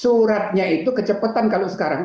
suratnya itu kecepatan kalau sekarang